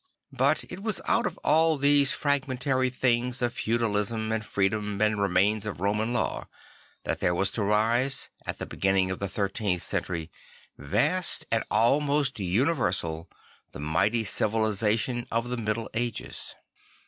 But it was out of all these fragmentary things of feudalism and freedom and remains of Roman Law that there was to rise, at the beginning of the thirteenth century, vast and almost universal, the mighty civilisation of the Middle Ages.